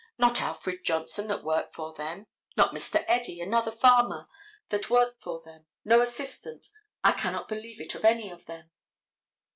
Not Alfred Johnson that worked for them, not Mr. Eddy, another farmer that worked for them, no assistant—I cannot believe it of any of them.